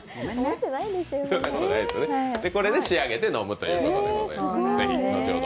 これで仕上げて飲むということです。